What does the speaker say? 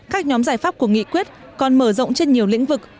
các nhóm giải pháp của nghị quyết còn mở rộng trên nhiều lĩnh vực